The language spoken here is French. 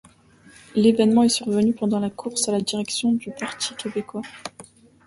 L'événement est survenu pendant la course à la direction du Parti québécois.